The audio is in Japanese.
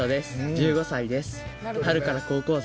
１５歳です。